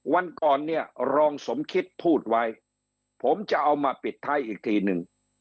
วันก่อนเนี่ยรองสมคิดพูดไว้ผมจะเอามาปิดท้ายอีกทีนึง